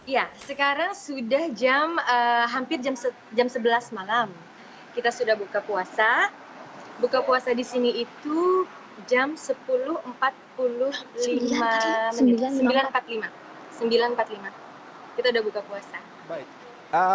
ya sekarang sudah hampir jam sebelas malam kita sudah buka puasa buka puasa di sini itu jam sepuluh empat puluh lima kita sudah buka puasa